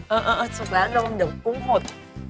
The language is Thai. เออสุกแล้วนมเดี๋ยวกุ้งหด